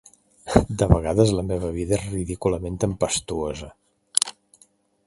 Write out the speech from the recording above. De vegades, la meva vida és ridículament tempestuosa.